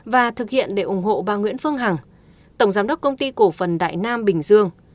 và thực hiện để ủng hộ bà nguyễn phương hằng tổng giám đốc công ty cổ phần đại nam bình dương